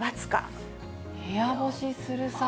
部屋干しする際。